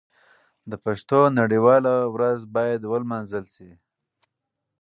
د پښتو نړیواله ورځ باید ونمانځل شي.